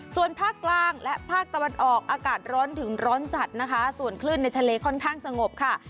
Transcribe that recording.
ส่วนภาคกลางและภาคตะวันออกอากาศร้อนถึงร้อนจัดนะคะส่วนคลื่นในทะเลค่อนข้างสงบค่ะ